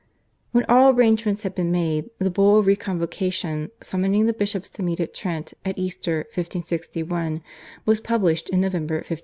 When all arrangements had been made the Bull of re convocation, summoning the bishops to meet at Trent at Easter 1561, was published in November 1560.